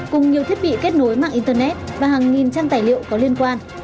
cùng nhiều thiết bị kết nối mạng internet và hàng nghìn trang tài liệu có liên quan